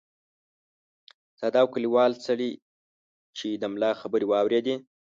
ساده او کلیوال سړي چې د ملا خبرې واورېدې.